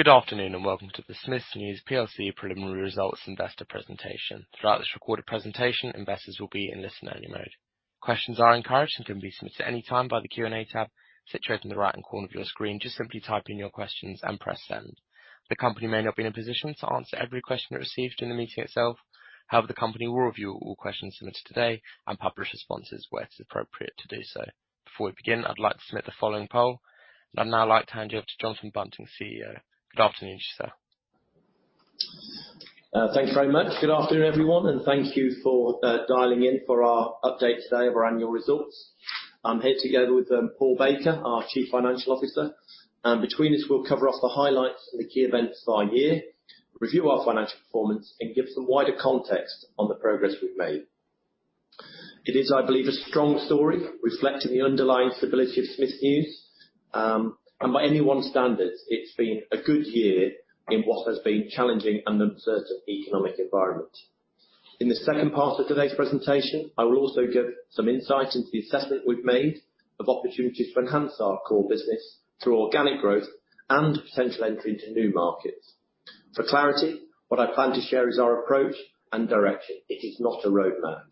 Good afternoon, and welcome to the Smiths News PLC Preliminary Results Investor Presentation. Throughout this recorded presentation, investors will be in listen only mode. Questions are encouraged and can be submitted anytime by the Q&A tab situated in the right-hand corner of your screen. Just simply type in your questions and press Send. The company may not be in a position to answer every question received in the meeting itself. However, the company will review all questions submitted today and publish responses where it's appropriate to do so. Before we begin, I'd like to submit the following poll. I'd now like to hand you over to Jonathan Bunting, CEO. Good afternoon to yourself. Thanks very much. Good afternoon, everyone, and thank you for dialing in for our update today of our annual results. I'm here together with Paul Baker, our Chief Financial Officer, and between us, we'll cover off the highlights and the key events of our year, review our financial performance, and give some wider context on the progress we've made. It is, I believe, a strong story reflecting the underlying stability of Smiths News, and by any one standards, it's been a good year in what has been challenging and uncertain economic environment. In the second part of today's presentation, I will also give some insight into the assessment we've made of opportunities to enhance our core business through organic growth and potential entry into new markets. For clarity, what I plan to share is our approach and direction. It is not a roadmap.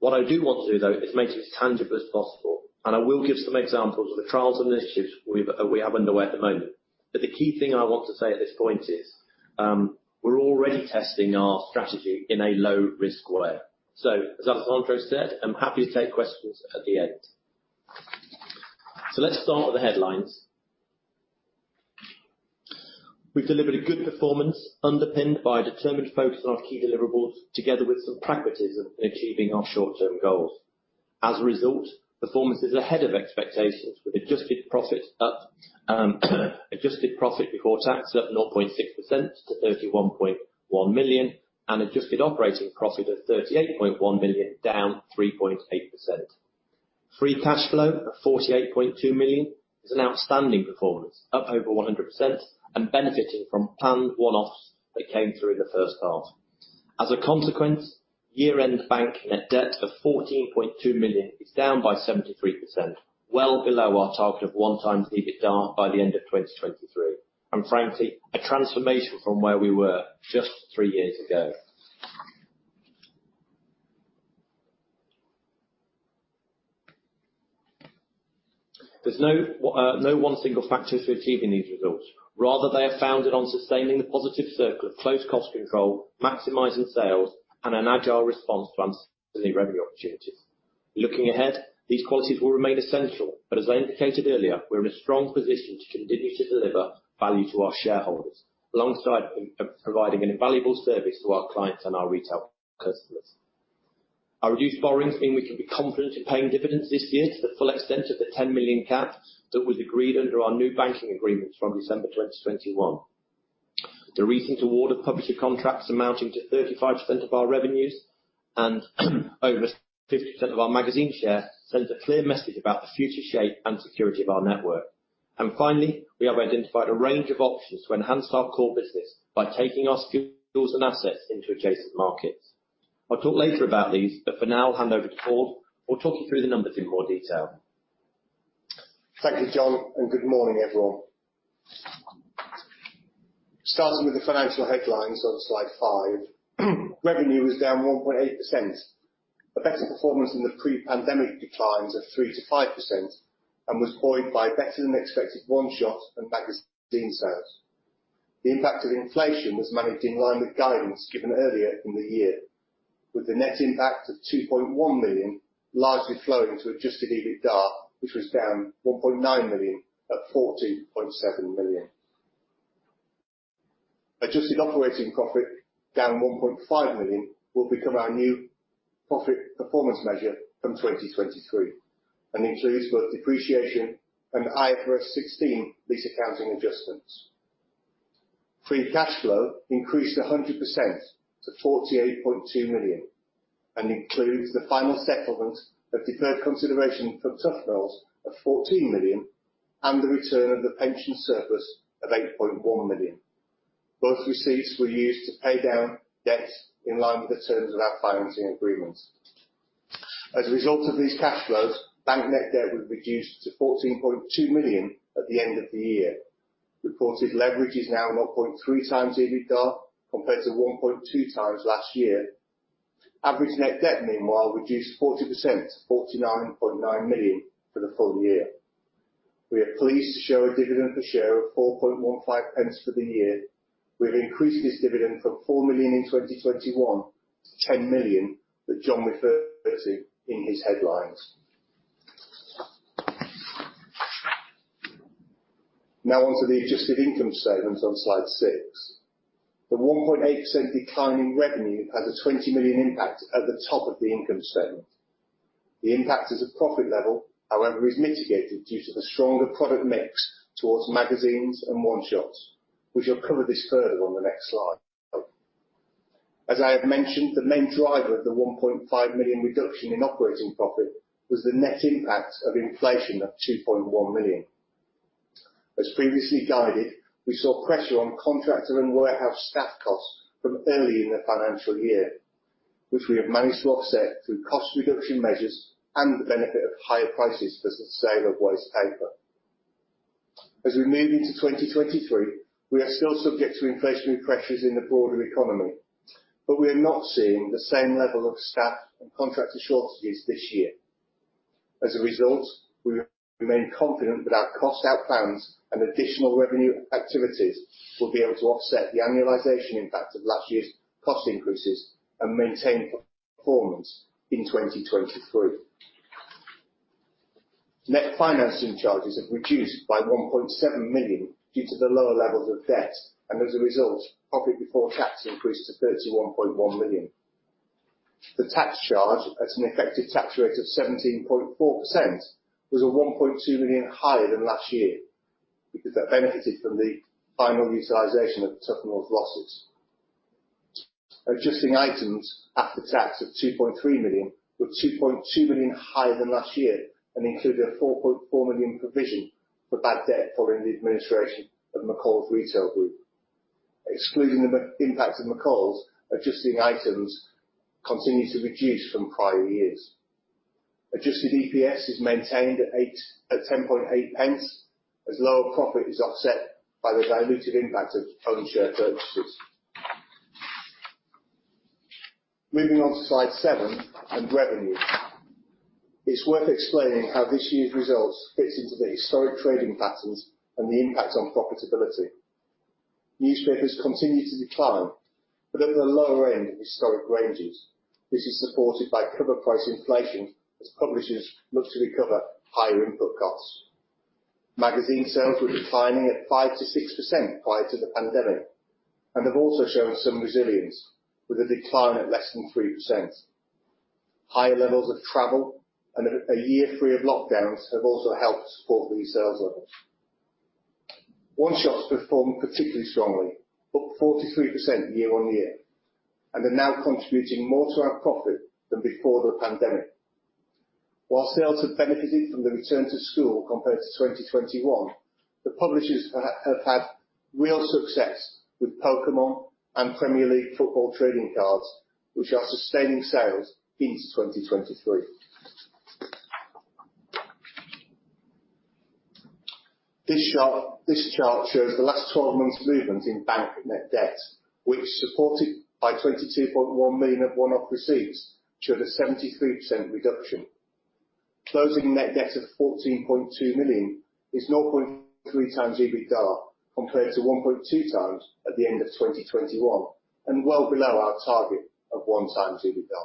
What I do want to do, though, is make it as tangible as possible, and I will give some examples of the trials and initiatives we have underway at the moment. The key thing I want to say at this point is, we're already testing our strategy in a low risk way. As Alex da Silva O'Hanlon said, I'm happy to take questions at the end. Let's start with the headlines. We've delivered a good performance underpinned by a determined focus on our key deliverables together with some pragmatism in achieving our short-term goals. As a result, performance is ahead of expectations with adjusted profit up, adjusted profit before tax up 0.6% to 31.1 million and adjusted operating profit of 38.1 million down 3.8%. Free cash flow of 48.2 million is an outstanding performance, up over 100% and benefiting from planned one-offs that came through in the first half. As a consequence, year-end bank net debt of 14.2 million is down by 73%, well below our target of 1x EBITDA by the end of 2023, and frankly, a transformation from where we were just three years ago. There's no one single factor to achieving these results. Rather, they are founded on sustaining the positive circle of close cost control, maximizing sales, and an agile response to answer any revenue opportunities. Looking ahead, these qualities will remain essential, but as I indicated earlier, we're in a strong position to continue to deliver value to our shareholders alongside providing an invaluable service to our clients and our retail customers. Our reduced borrowings mean we can be confident in paying dividends this year to the full extent of the 10 million cap that was agreed under our new banking agreements from December 2021. The recent award of publisher contracts amounting to 35% of our revenues and over 50% of our magazine shares sends a clear message about the future shape and security of our network. Finally, we have identified a range of options to enhance our core business by taking our skills and assets into adjacent markets. I'll talk later about these, but for now I'll hand over to Paul, who'll talk you through the numbers in more detail. Thank you, John, and good morning, everyone. Starting with the financial headlines on slide 5. Revenue was down 1.8%, a better performance than the pre-pandemic declines of 3%-5% and was buoyed by better than expected one-shots and magazine sales. The impact of inflation was managed in line with guidance given earlier in the year, with the net impact of 2.1 million largely flowing to adjusted EBITDA, which was down 1.9 million at 40.7 million. Adjusted operating profit down 1.5 million will become our new profit performance measure from 2023 and includes both depreciation and IFRS 16 lease accounting adjustments. Free cash flow increased 100% to 48.2 million and includes the final settlement of deferred consideration from Tuffnells of 14 million and the return of the pension surplus of 8.1 million. Both receipts were used to pay down debts in line with the terms of our financing agreements. As a result of these cash flows, bank net debt was reduced to 14.2 million at the end of the year. Reported leverage is now 0.3x EBITDA compared to 1.2x last year. Average net debt, meanwhile, reduced 40% to 49.9 million for the full year. We are pleased to show a dividend per share of 0.0415 for the year. We've increased this dividend from 4 million in 2021 to 10 million that John referred to in his headlines. Now on to the adjusted income statement on slide 6. The 1.8% decline in revenue has a 20 million impact at the top of the income statement. The impact as a profit level, however, is mitigated due to the stronger product mix towards magazines and one-shots. We shall cover this further on the next slide. As I have mentioned, the main driver of the 1.5 million reduction in operating profit was the net impact of inflation of 2.1 million. As previously guided, we saw pressure on contractor and warehouse staff costs from early in the financial year, which we have managed to offset through cost reduction measures and the benefit of higher prices for the sale of waste paper. As we move into 2023, we are still subject to inflationary pressures in the broader economy, but we're not seeing the same level of staff and contractor shortages this year. As a result, we remain confident that our cost out plans and additional revenue activities will be able to offset the annualization impact of last year's cost increases and maintain performance in 2023. Net financing charges have reduced by 1.7 million due to the lower levels of debt, and as a result, profit before tax increased to 31.1 million. The tax charge, at an effective tax rate of 17.4%, was 1.2 million higher than last year because that benefited from the final utilization of Tuffnells losses. Adjusting items after tax of 2.3 million were 2.2 million higher than last year and included a 4.4 million provision for bad debt following the administration of McColl's Retail Group. Excluding the impact of McColl's, adjusting items continued to reduce from prior years. Adjusted EPS is maintained at 10.8 pence, as lower profit is offset by the dilutive impact of own share purchases. Moving on to slide seven and revenue. It's worth explaining how this year's results fits into the historic trading patterns and the impact on profitability. Newspapers continue to decline, but at the lower end of historic ranges. This is supported by cover price inflation as publishers look to recover higher input costs. Magazine sales were declining at 5%-6% prior to the pandemic, and have also shown some resilience, with a decline of less than 3%. Higher levels of travel and a year free of lockdowns have also helped support these sales levels. One-shots performed particularly strongly, up 43% year-on-year, and are now contributing more to our profit than before the pandemic. While sales have benefited from the return to school compared to 2021, the publishers have had real success with Pokémon and Premier League football trading cards, which are sustaining sales into 2023. This chart shows the last twelve months movement in bank net debt, which is supported by 22.1 million of one-off receipts, showed a 73% reduction. Closing net debt of 14.2 million is 0.3x EBITDA compared to 1.2x at the end of 2021 and well below our target of 1x EBITDA.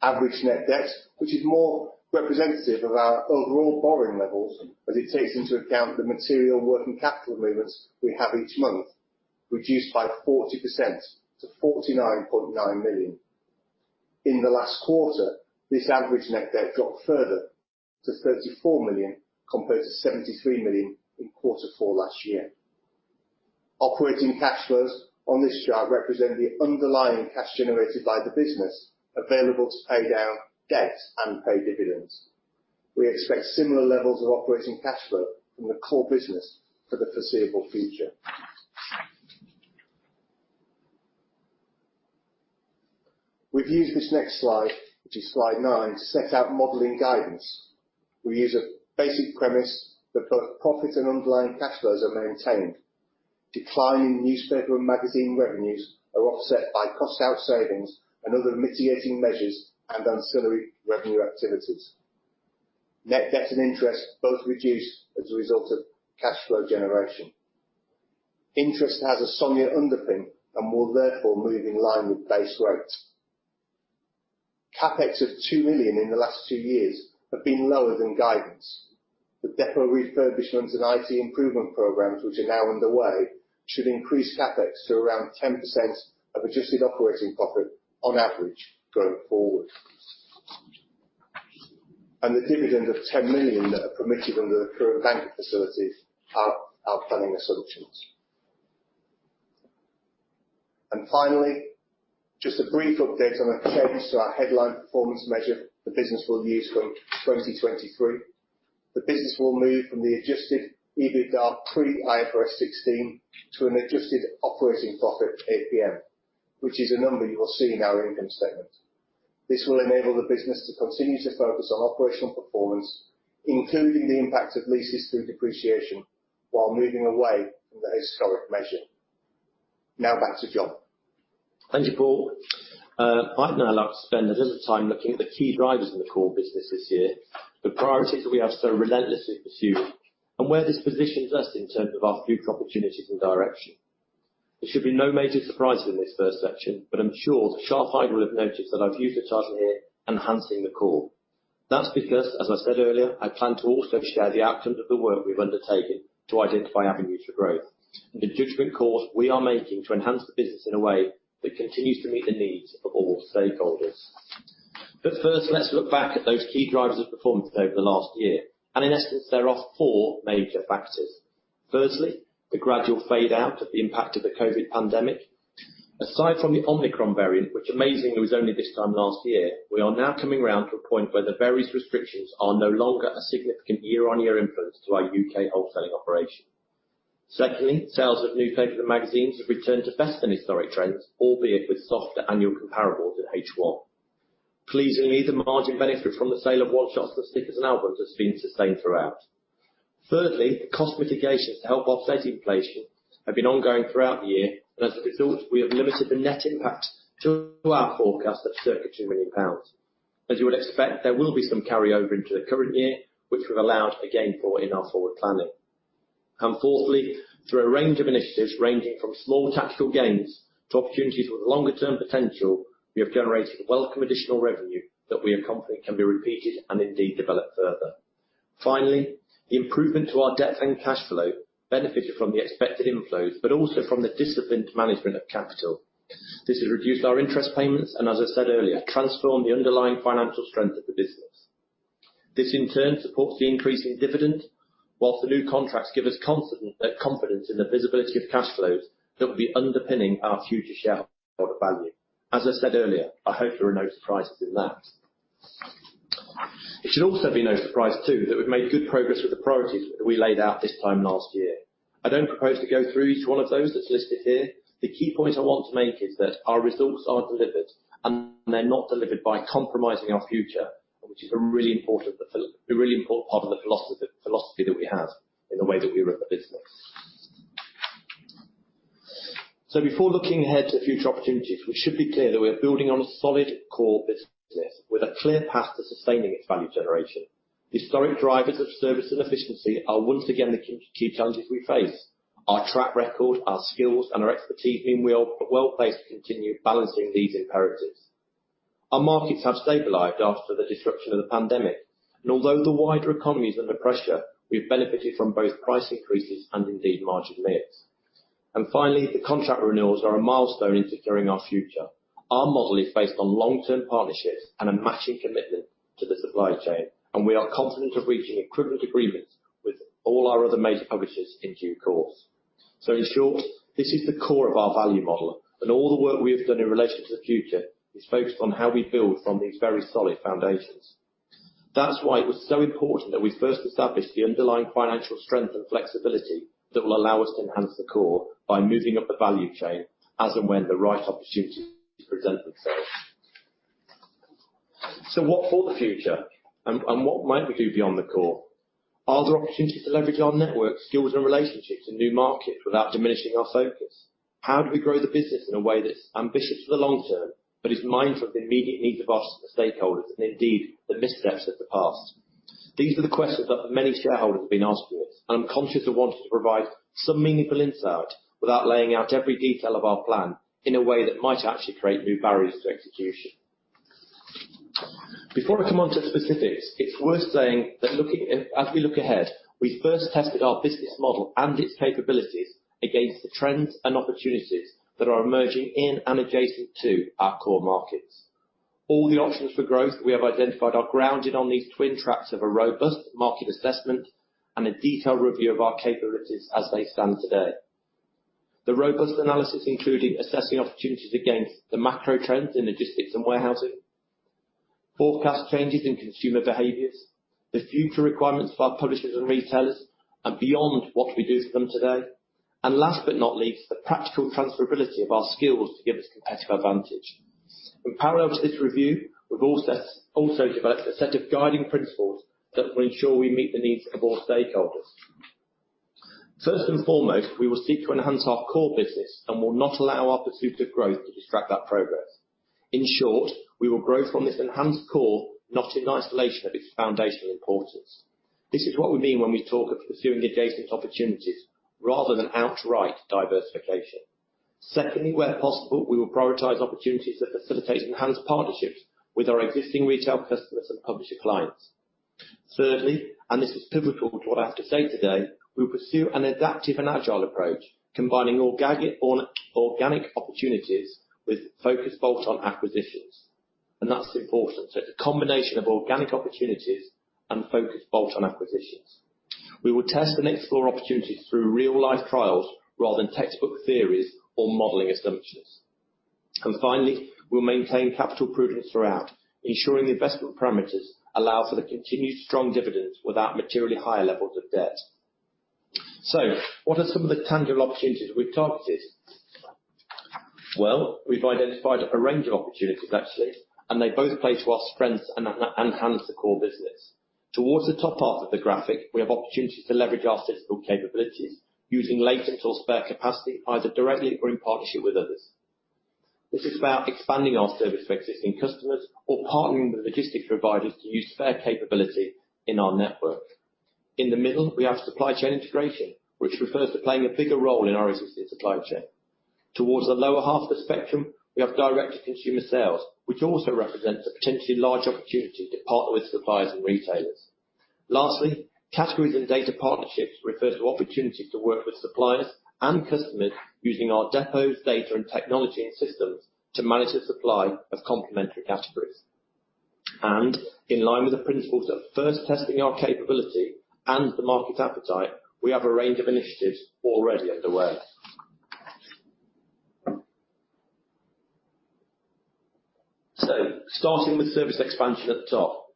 Average net debt, which is more representative of our overall borrowing levels as it takes into account the material working capital movements we have each month, reduced by 40% to 49.9 million. In the last quarter, this average net debt dropped further to 34 million compared to 73 million in quarter four last year. Operating cash flows on this chart represent the underlying cash generated by the business available to pay down debt and pay dividends. We expect similar levels of operating cash flow from the core business for the foreseeable future. We've used this next slide, which is slide 9, to set out modeling guidance. We use a basic premise that both profits and underlying cash flows are maintained. Declining newspaper and magazine revenues are offset by cost out savings and other mitigating measures and ancillary revenue activities. Net debt and interest both reduce as a result of cash flow generation. Interest has a SONIA underpin and will therefore move in line with base rates. CapEx of 2 million in the last two years have been lower than guidance, but depot refurbishments and IT improvement programs, which are now underway, should increase CapEx to around 10% of adjusted operating profit on average going forward. The dividend of 10 million that are permitted under the current banking facilities are our planning assumptions. Finally, just a brief update on a change to our headline performance measure the business will use from 2023. The business will move from the adjusted EBITDA pre IFRS 16 to an adjusted operating profit APM, which is a number you will see in our income statement. This will enable the business to continue to focus on operational performance, including the impact of leases through depreciation while moving away from the historic measure. Now back to John. Thank you, Paul. I'd now like to spend a little time looking at the key drivers in the core business this year, the priorities that we have so relentlessly pursued, and where this positions us in terms of our future opportunities and direction. There should be no major surprises in this first section, but I'm sure the sharp-eyed will have noticed that I've used the title here, Enhancing the Core. That's because, as I said earlier, I plan to also share the outcomes of the work we've undertaken to identify avenues for growth and the judgment calls we are making to enhance the business in a way that continues to meet the needs of all stakeholders. But first, let's look back at those key drivers of performance over the last year. In essence, there are four major factors. Firstly, the gradual fade out of the impact of the COVID pandemic. Aside from the Omicron variant, which amazingly was only this time last year, we are now coming round to a point where the various restrictions are no longer a significant year-on-year influence to our UK wholesaling operation. Secondly, sales of newspaper and magazines have returned to best in historic trends, albeit with softer annual comparables in H1. Pleasingly, the margin benefit from the sale of one-shots of stickers and albums has been sustained throughout. Thirdly, cost mitigations to help offset inflation have been ongoing throughout the year, and as a result, we have limited the net impact to our forecast at circa 2 million pounds. As you would expect, there will be some carry over into the current year, which we've allowed again for in our forward planning. Fourthly, through a range of initiatives ranging from small tactical gains to opportunities with longer-term potential, we have generated welcome additional revenue that we are confident can be repeated and indeed developed further. Finally, the improvement to our debt and cash flow benefited from the expected inflows, but also from the disciplined management of capital. This has reduced our interest payments, and as I said earlier, transformed the underlying financial strength of the business. This in turn supports the increase in dividend, while the new contracts give us constant confidence in the visibility of cash flows that will be underpinning our future shareholder value. As I said earlier, I hope there are no surprises in that. It should also be no surprise too, that we've made good progress with the priorities that we laid out this time last year. I don't propose to go through each one of those that's listed here. The key point I want to make is that our results are delivered, and they're not delivered by compromising our future, which is a really important part of the philosophy that we have in the way that we run the business. Before looking ahead to future opportunities, we should be clear that we are building on a solid core business with a clear path to sustaining its value generation. Historic drivers of service and efficiency are once again the key challenges we face. Our track record, our skills, and our expertise mean we are well-placed to continue balancing these imperatives. Our markets have stabilized after the disruption of the pandemic, and although the wider economy is under pressure, we've benefited from both price increases and indeed margin mix. Finally, the contract renewals are a milestone in securing our future. Our model is based on long-term partnerships and a matching commitment to the supply chain, and we are confident of reaching equivalent agreements with all our other major publishers in due course. In short, this is the core of our value model, and all the work we have done in relation to the future is focused on how we build from these very solid foundations. That's why it was so important that we first established the underlying financial strength and flexibility that will allow us to enhance the core by moving up the value chain as and when the right opportunities present themselves. What for the future and what might we do beyond the core? Are there opportunities to leverage our network, skills, and relationships in new markets without diminishing our focus? How do we grow the business in a way that's ambitious for the long term, but is mindful of the immediate needs of our stakeholders, and indeed, the missteps of the past? These are the questions that many shareholders have been asking us, and I'm conscious of wanting to provide some meaningful insight without laying out every detail of our plan in a way that might actually create new barriers to execution. Before I come onto the specifics, it's worth saying that as we look ahead, we first tested our business model and its capabilities against the trends and opportunities that are emerging in and adjacent to our core markets. All the options for growth we have identified are grounded on these twin tracks of a robust market assessment and a detailed review of our capabilities as they stand today. The robust analysis including assessing opportunities against the macro trends in logistics and warehousing, forecast changes in consumer behaviors, the future requirements of our publishers and retailers, and beyond what we do for them today. Last but not least, the practical transferability of our skills to give us competitive advantage. In parallel to this review, we've also developed a set of guiding principles that will ensure we meet the needs of all stakeholders. First and foremost, we will seek to enhance our core business and will not allow our pursuit of growth to distract that progress. In short, we will grow from this enhanced core, not in isolation of its foundational importance. This is what we mean when we talk of pursuing adjacent opportunities rather than outright diversification. Secondly, where possible, we will prioritize opportunities that facilitate enhanced partnerships with our existing retail customers and publisher clients. Thirdly, and this is pivotal to what I have to say today, we pursue an adaptive and agile approach, combining organic opportunities with focused bolt-on acquisitions, and that's important. It's a combination of organic opportunities and focused bolt-on acquisitions. We will test and explore opportunities through real-life trials rather than textbook theories or modeling assumptions. Finally, we'll maintain capital prudence throughout, ensuring the investment parameters allow for the continued strong dividends without materially higher levels of debt. What are some of the tangible opportunities we've targeted? Well, we've identified a range of opportunities actually, and they both play to our strengths and enhance the core business. Towards the top half of the graphic, we have opportunities to leverage our system capabilities using latent or spare capacity, either directly or in partnership with others. This is about expanding our service to existing customers or partnering with logistics providers to use spare capability in our network. In the middle, we have supply chain integration, which refers to playing a bigger role in our existing supply chain. Towards the lower half of the spectrum, we have direct-to-consumer sales, which also represents a potentially large opportunity to partner with suppliers and retailers. Lastly, categories and data partnerships refers to opportunities to work with suppliers and customers using our depots, data and technology and systems to manage the supply of complementary categories. In line with the principles of first testing our capability and the market appetite, we have a range of initiatives already underway. Starting with service expansion at the top.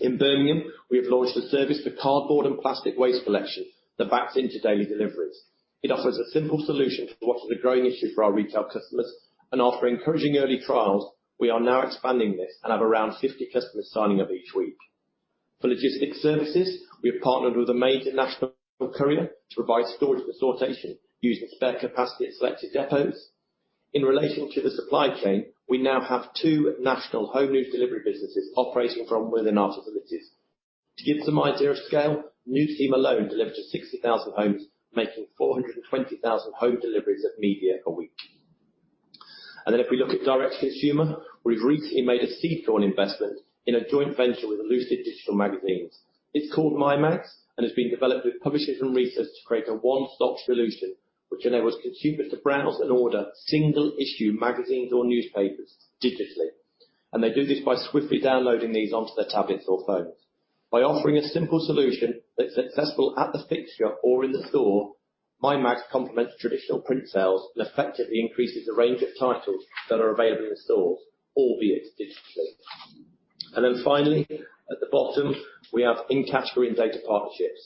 In Birmingham, we have launched a service for cardboard and plastic waste collection that backs into daily deliveries. It offers a simple solution for what is a growing issue for our retail customers, and after encouraging early trials, we are now expanding this and have around 50 customers signing up each week. For logistics services, we have partnered with a major national courier to provide storage and sortation using spare capacity at selected depots. In relation to the supply chain, we now have two national home news delivery businesses operating from within our facilities. To give some idea of scale, NewsTeam alone delivers to 60,000 homes, making 420,000 home deliveries of media a week. If we look at direct consumer, we've recently made a seed corn investment in a joint venture with Lucid Digital Magazines. It's called MyMags, and it's been developed with publishers and retailers to create a one-stop solution which enables consumers to browse and order single issue magazines or newspapers digitally. They do this by swiftly downloading these onto their tablets or phones. By offering a simple solution that's successful at the fixture or in the store, MyMags complements traditional print sales and effectively increases the range of titles that are available in stores, albeit digitally. Finally, at the bottom, we have in-category data partnerships.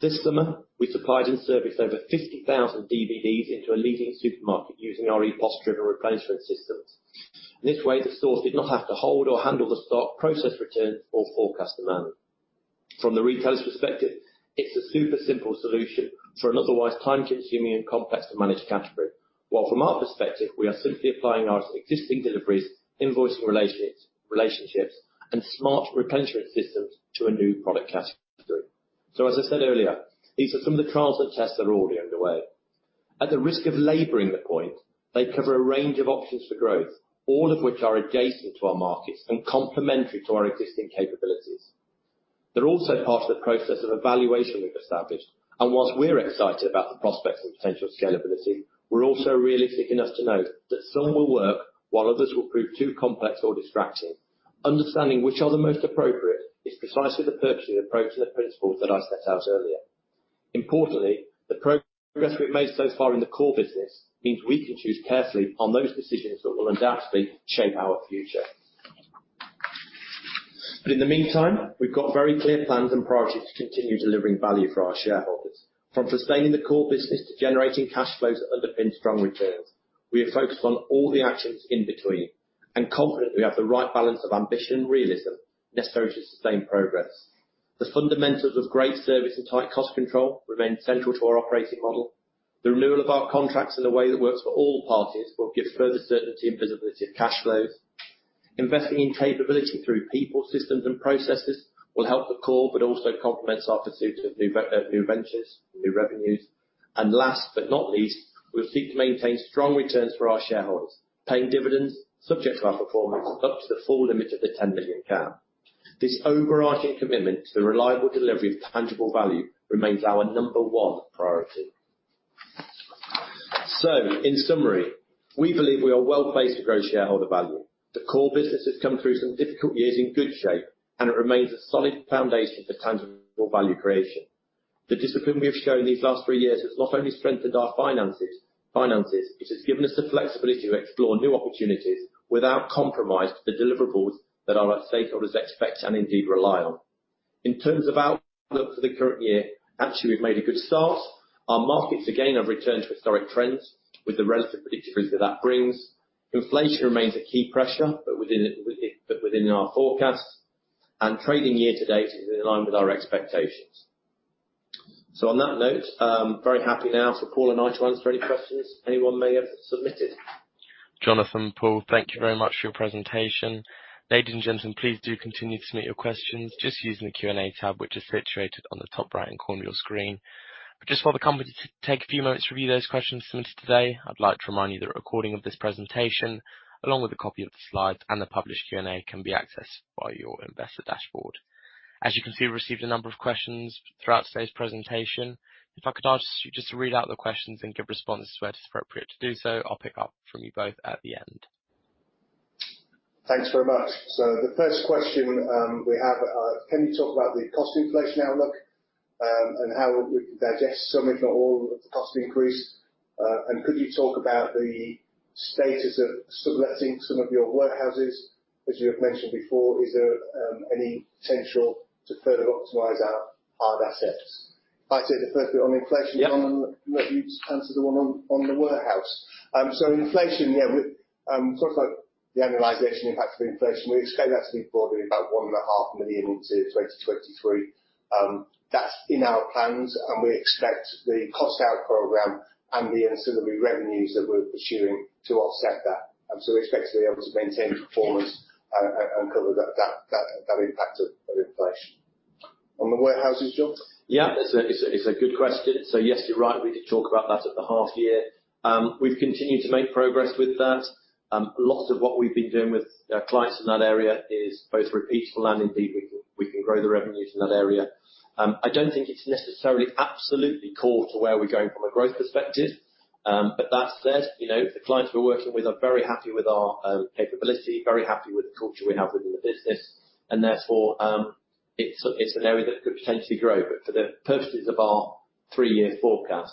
This summer, we supplied and serviced over 50,000 DVDs into a leading supermarket using our EPOS-driven replenishment systems. This way, the store did not have to hold or handle the stock, process returns, or forecast demand. From the retailer's perspective, it's a super simple solution for an otherwise time-consuming and complex to manage category. While from our perspective, we are simply applying our existing deliveries, invoicing relationships, and smart replenishment systems to a new product category. As I said earlier, these are some of the trials and tests that are already underway. At the risk of laboring the point, they cover a range of options for growth, all of which are adjacent to our markets and complementary to our existing capabilities. They're also part of the process of evaluation we've established, and while we're excited about the prospects and potential scalability, we're also realistic enough to know that some will work while others will prove too complex or distracting. Understanding which are the most appropriate is precisely the purchasing approach and the principles that I set out earlier. Importantly, the progress we've made so far in the core business means we can choose carefully on those decisions that will undoubtedly shape our future. In the meantime, we've got very clear plans and priorities to continue delivering value for our shareholders, from sustaining the core business to generating cash flows that underpin strong returns. We are focused on all the actions in between and confident we have the right balance of ambition and realism necessary to sustain progress. The fundamentals of great service and tight cost control remain central to our operating model. The renewal of our contracts in a way that works for all parties will give further certainty and visibility of cash flows. Investing in capability through people, systems, and processes will help the core, but also complements our pursuit of new ventures and new revenues. Last but not least, we'll seek to maintain strong returns for our shareholders. Paying dividends subject to our performance up to the full limit of the 10 million cap. This overarching commitment to the reliable delivery of tangible value remains our number one priority. In summary, we believe we are well-placed to grow shareholder value. The core business has come through some difficult years in good shape, and it remains a solid foundation for tangible value creation. The discipline we have shown these last three years has not only strengthened our finances, it has given us the flexibility to explore new opportunities without compromise to the deliverables that our stakeholders expect and indeed rely on. In terms of outlook for the current year, actually, we've made a good start. Our markets again have returned to historic trends with the relative predictability that brings. Inflation remains a key pressure, but within our forecasts. Trading year to date is in line with our expectations. On that note, very happy now for Paul and I to answer any questions anyone may have submitted. Jonathan, Paul, thank you very much for your presentation. Ladies and gentlemen, please do continue to submit your questions just using the Q&A tab, which is situated on the top right-hand corner of your screen. Just while the company take a few moments to review those questions submitted today, I'd like to remind you that a recording of this presentation, along with a copy of the slides and the published Q&A, can be accessed via your investor dashboard. As you can see, we received a number of questions throughout today's presentation. If I could ask you just to read out the questions and give responses where it is appropriate to do so, I'll pick up from you both at the end. Thanks very much. The first question we have, can you talk about the cost inflation outlook, and how we can digest some, if not all, of the cost increase? Could you talk about the status of subletting some of your warehouses, as you have mentioned before? Is there any potential to further optimize our assets? I'd say the first bit on inflation. Yeah. Maybe you answer the one on the warehouse. So inflation, yeah, we sort of like the annualization impact of inflation, we expect that to be broadly about 1.5 million into 2023. That's in our plans, and we expect the cost out program and the ancillary revenues that we're pursuing to offset that. We expect to be able to maintain performance and cover that impact of inflation. On the warehouses, John? Yeah. It's a good question. Yes, you're right. We did talk about that at the half year. We've continued to make progress with that. A lot of what we've been doing with our clients in that area is both repeatable and indeed we can grow the revenues in that area. I don't think it's necessarily absolutely core to where we're going from a growth perspective. But that said, you know, the clients we're working with are very happy with our capability, very happy with the culture we have within the business, and therefore, it's an area that could potentially grow. For the purposes of our three-year forecast,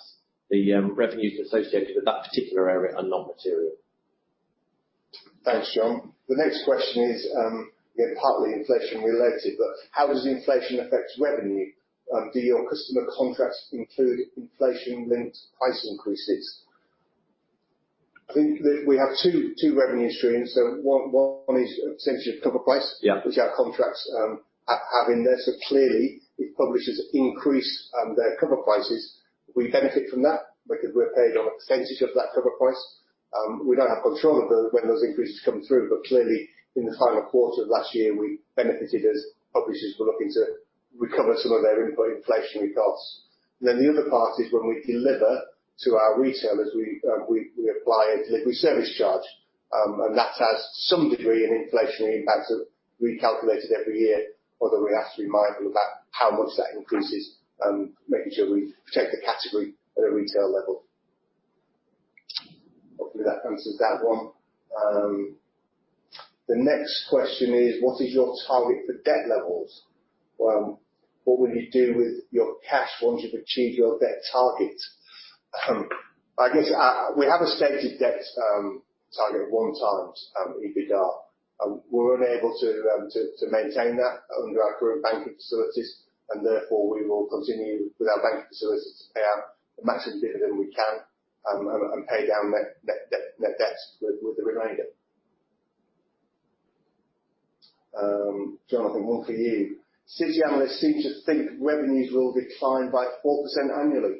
the revenues associated with that particular area are not material. Thanks, John. The next question is, you know, partly inflation-related, but how does inflation affect revenue? Do your customer contracts include inflation-linked price increases? I think that we have two revenue streams. One is a percentage of cover price. Yeah. Which our contracts have in there. Clearly, if publishers increase their cover prices, we benefit from that because we're paid on a percentage of that cover price. We don't have control of those when those increases come through, but clearly, in the final quarter of last year, we benefited as publishers were looking to recover some of their input inflationary costs. The other part is when we deliver to our retailers, we apply a delivery service charge. That has some degree of inflationary impact that we calculated every year, although we have to be mindful about how much that increases, making sure we protect the category at a retail level. Hopefully that answers that one. The next question is what is your target for debt levels? What will you do with your cash once you've achieved your debt target? I guess, we have a stated debt target of one times EBITDA, and we're unable to maintain that under our current banking facilities, and therefore we will continue with our banking facilities to pay out the maximum dividend we can, and pay down net debts with the remainder. Jonathan, one for you. City analysts seem to think revenues will decline by 4% annually,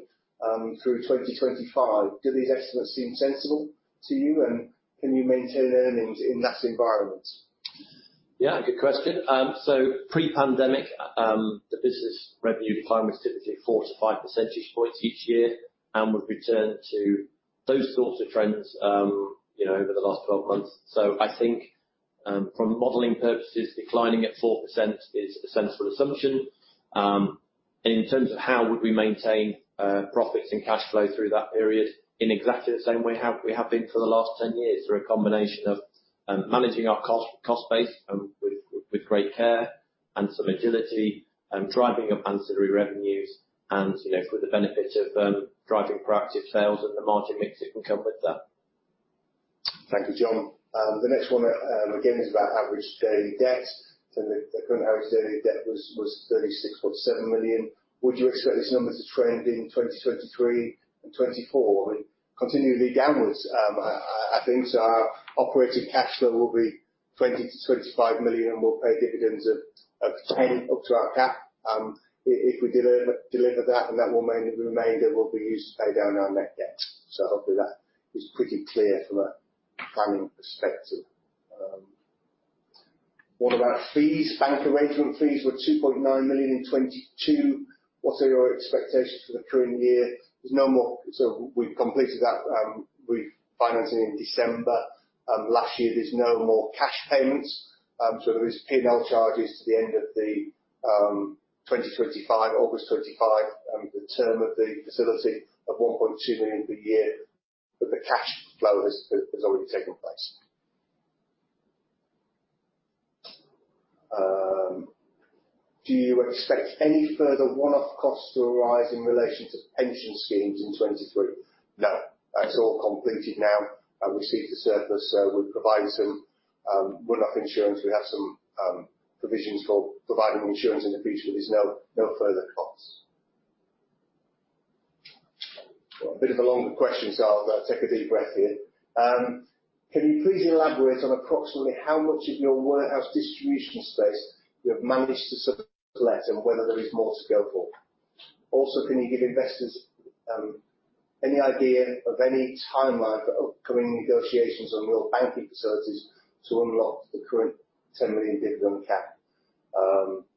through 2025. Do these estimates seem sensible to you, and can you maintain earnings in that environment? Yeah, good question. Pre-pandemic, the business revenue decline was typically 4-5 percentage points each year and would return to those sorts of trends, you know, over the last 12 months. I think, from modeling purposes, declining at 4% is a sensible assumption. In terms of how would we maintain profits and cash flow through that period, in exactly the same way we have been for the last 10 years, through a combination of managing our cost base with great care and some agility, driving ancillary revenues and, you know, with the benefit of driving proactive sales and the margin mix it can come with that. Thank you, John. The next one, again, is about average daily debt. The current average daily debt was 36.7 million. Would you expect this number to trend in 2023 and 2024? I mean, continually downwards. I think so. Our operating cash flow will be 20 million-25 million. We'll pay dividends of 10 million up to our cap, if we deliver that, and the remainder will be used to pay down our net debt. Hopefully that is pretty clear from a planning perspective. What about fees? Bank arrangement fees were 2.9 million in 2022. What are your expectations for the current year? There's no more. We've completed that refinancing in December. Last year there's no more cash payments, so there is P&L charges to the end of the 2025, August 2025, the term of the facility of 1.2 million per year, but the cash flow has already taken place. Do you expect any further one-off costs to arise in relation to pension schemes in 2023? No, that's all completed now. We've seen the surplus, so we've provided some buy-out insurance. We have some provisions for providing insurance in the future. There's no further costs. Got a bit of a longer question, so I'll take a deep breath here. Can you please elaborate on approximately how much of your warehouse distribution space you have managed to sublet, and whether there is more to go for? Also, can you give investors any idea of any timeline of upcoming negotiations on your banking facilities to unlock the current 10 million dividend cap? John, do you wanna take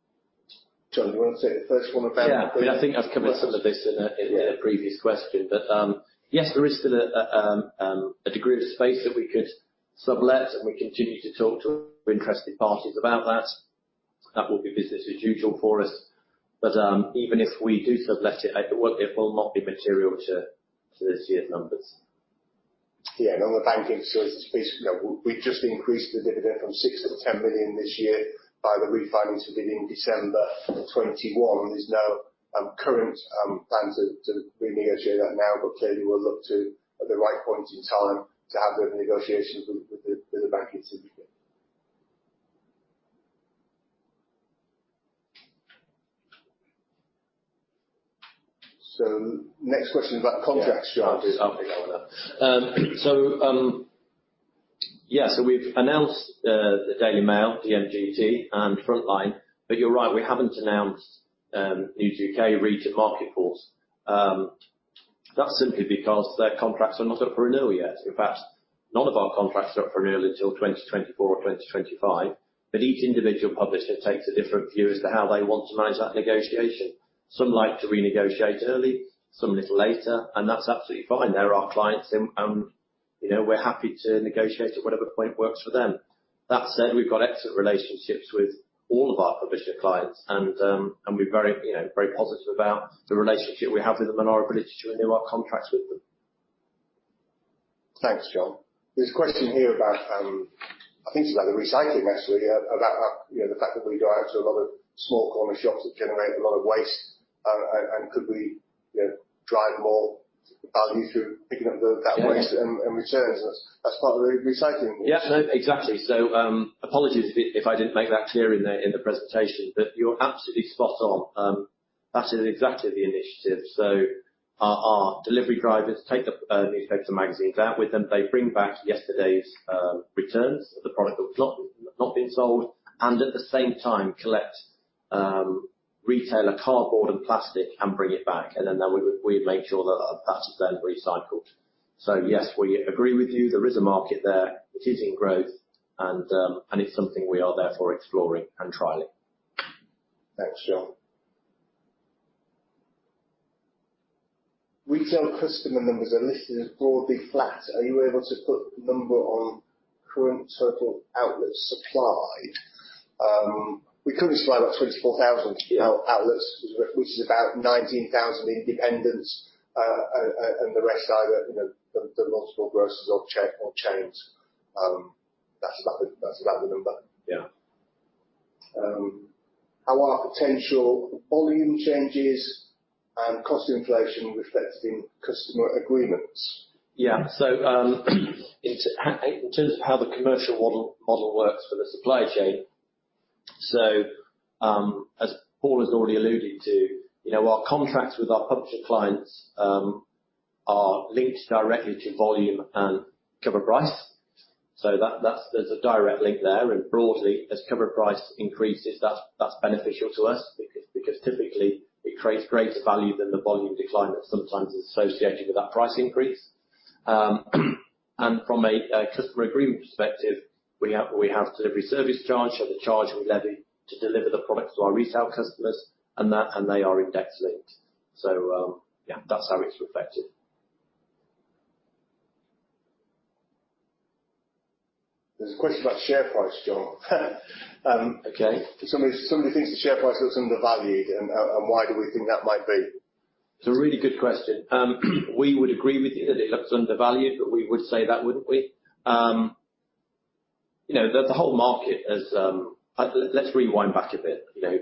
the first one about- Yeah. I mean, I think I've covered some of this in a previous question, but yes, there is still a degree of space that we could sublet, and we continue to talk to interested parties about that. That will be business as usual for us. Even if we do sublet it will not be material to this year's numbers. Yeah. On the banking solutions piece, you know, we've just increased the dividend from 6 million to 10 million this year by the refinancing we did in December of 2021. There's no current plans to renegotiate that now, but clearly we'll look to, at the right point in time, to have those negotiations with the banking syndicate. Next question about contract strategies. We've announced the Daily Mail, DMGT and Frontline, but you're right, we haven't announced News UK, Reach, and Marketforce. That's simply because their contracts are not up for renewal yet. In fact, none of our contracts are up for renewal until 2024 or 2025. Each individual publisher takes a different view as to how they want to manage that negotiation. Some like to renegotiate early, some a little later, and that's absolutely fine. They're our clients and, you know, we're happy to negotiate at whatever point works for them. That said, we've got excellent relationships with all of our publisher clients and we're very, you know, very positive about the relationship we have with them and are privileged to renew our contracts with them. Thanks, John. There's a question here about, I think it's about the recycling actually. About, you know, the fact that we go out to a lot of small corner shops that generate a lot of waste, and could we, you know, drive more value through picking up that waste and returns as part of the recycling? Yeah, no, exactly. Apologies if I didn't make that clear in the presentation, but you're absolutely spot on. That is exactly the initiative. Our delivery drivers take up newspapers and magazines out with them. They bring back yesterday's returns, the product that was not been sold, and at the same time collect retailer cardboard and plastic and bring it back. Then we make sure that that's then recycled. Yes, we agree with you. There is a market there. It is in growth and it's something we are therefore exploring and trialing. Thanks, Jonathan. Retail customer numbers are listed as broadly flat. Are you able to put a number on current total outlets supplied? We currently supply about 24,000 outlets, which is about 19,000 independents. The rest are either, you know, the multiple grocers or chains. That's about the number. Yeah. How are potential volume changes and cost inflation reflected in customer agreements? Yeah. In terms of how the commercial model works for the supply chain, as Paul has already alluded to, you know, our contracts with our publisher clients are linked directly to volume and cover price. There's a direct link there. Broadly, as cover price increases, that's beneficial to us because typically it creates greater value than the volume decline that sometimes is associated with that price increase. From a customer agreement perspective, we have delivery service charge. The charge we levy to deliver the product to our retail customers and they are index linked. Yeah, that's how it's reflected. There's a question about share price, John. Okay. Somebody thinks the share price looks undervalued. Why do we think that might be? It's a really good question. We would agree with you that it looks undervalued, but we would say that, wouldn't we? You know, the whole market is. Let's rewind back a bit. You know,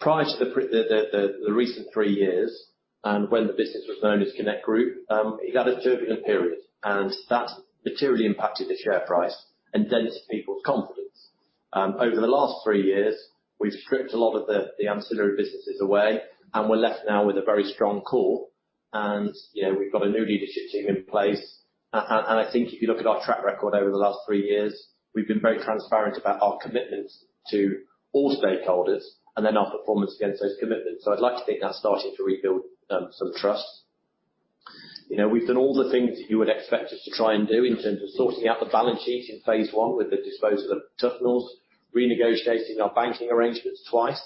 prior to the recent three years and when the business was known as Connect Group, it had a turbulent period, and that materially impacted the share price and dented people's confidence. Over the last three years, we've stripped a lot of the ancillary businesses away, and we're left now with a very strong core. You know, we've got a new leadership team in place. I think if you look at our track record over the last three years, we've been very transparent about our commitment to all stakeholders and then our performance against those commitments. I'd like to think that's starting to rebuild some trust. You know, we've done all the things you would expect us to try and do in terms of sorting out the balance sheet in phase one with the disposal of Tuffnells, renegotiating our banking arrangements twice,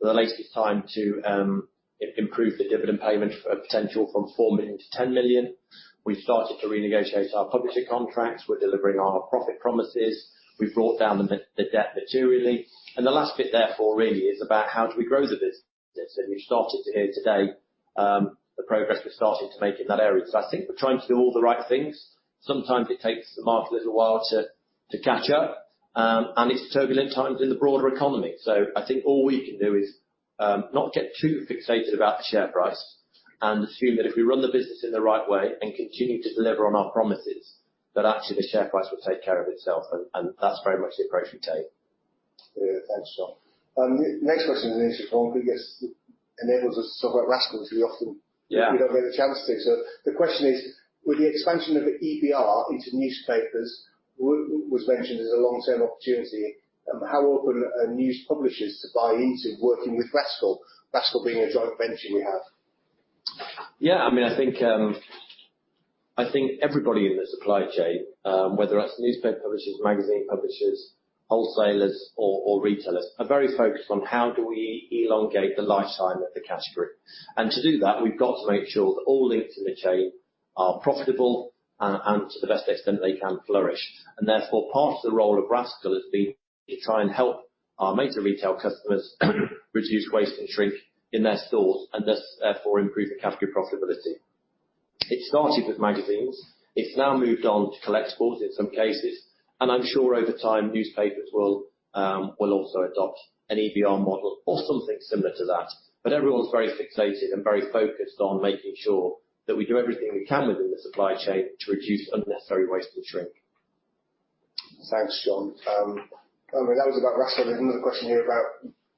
the latest time to improve the dividend payment potential from 4 million to 10 million. We've started to renegotiate our publishing contracts. We're delivering on our profit promises. We've brought down the debt materially. The last bit therefore really is about how do we grow the business. We've started to hear today the progress we've started to make in that area. I think we're trying to do all the right things. Sometimes it takes the market a little while to catch up and it's turbulent times in the broader economy. I think all we can do is not get too fixated about the share price and assume that if we run the business in the right way and continue to deliver on our promises, that actually the share price will take care of itself. That's very much the approach we take. Yeah. Thanks, John. Next question is initially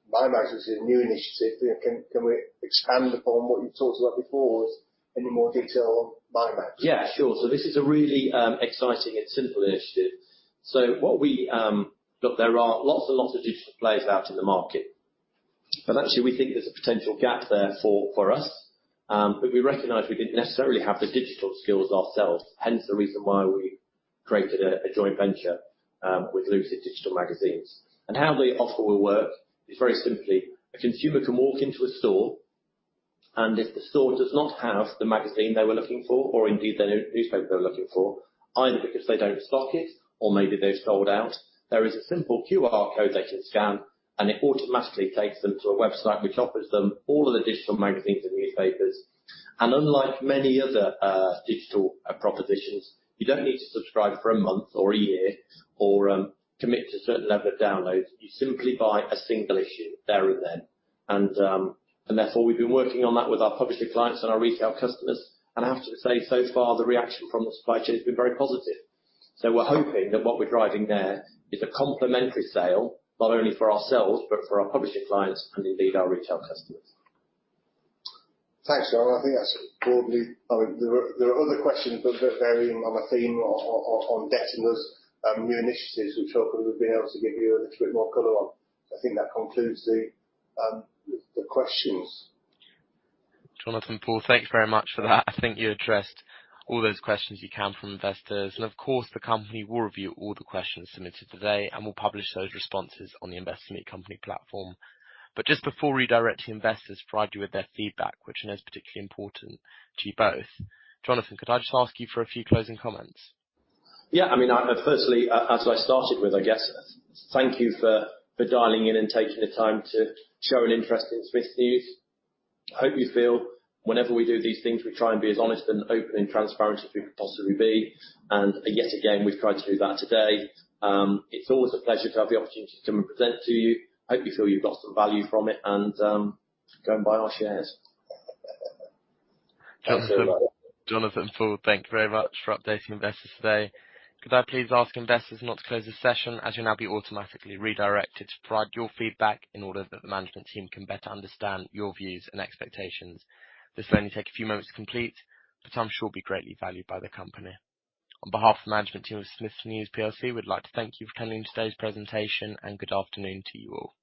from It automatically takes them to a website which offers them all of the digital magazines and newspapers. Unlike many other digital propositions, you don't need to subscribe for a month or a year or commit to a certain level of downloads. You simply buy a single issue there and then. Therefore, we've been working on that with our publishing clients and our retail customers. I have to say, so far, the reaction from the supply chain has been very positive. We're hoping that what we're driving there is a complementary sale, not only for ourselves, but for our publishing clients and indeed our retail customers. Thanks, John. I think that's broadly, I mean, there are other questions, but they're varying on a theme on Detona's new initiatives, which I'll kind of be able to give you a little bit more color on. I think that concludes the questions. Jonathan, Paul, thank you very much for that. I think you addressed all those questions you can from investors. Of course, the company will review all the questions submitted today, and we'll publish those responses on the Investor Meet Company platform. Just before we direct the investors to provide you with their feedback, which I know is particularly important to you both, Jonathan, could I just ask you for a few closing comments? Yeah. I mean, I personally, as I started with, I guess, thank you for dialing in and taking the time to show an interest in Smiths News. I hope you feel whenever we do these things, we try and be as honest and open and transparent as we could possibly be. Yet again, we've tried to do that today. It's always a pleasure to have the opportunity to come and present to you. Hope you feel you've got some value from it and go and buy our shares. Jonathan, Paul, thank you very much for updating investors today. Could I please ask investors not to close this session, as you'll now be automatically redirected to provide your feedback in order that the management team can better understand your views and expectations. This will only take a few moments to complete, which I'm sure will be greatly valued by the company. On behalf of the management team of Smiths News PLC, we'd like to thank you for coming to today's presentation, and good afternoon to you all.